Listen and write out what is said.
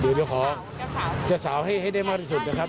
เดี๋ยวขอเจ้าสาวให้ได้มากที่สุดนะครับ